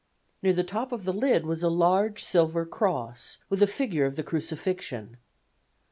Near the top of the lid was a large silver cross, with a figure of the crucifixion.